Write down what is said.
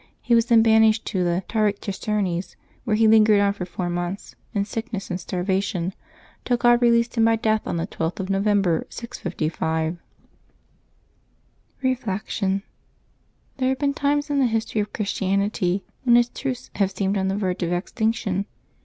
He was then banished to the Tauric Chersonese, where he lingered on for four months, in sickness and starvation, till God released him by death on the 13th of !N'ovember, 655. Reflection. — There have been times in the history of Christianity when its truths have seemed on the verge of extinction.